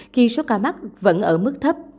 khi số ca mắc vẫn ở mức thấp